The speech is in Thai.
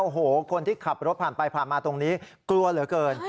โอ้โหคนที่ขับรถผ่านไปผ่านมาตรงนี้กลัวเหลือเกิน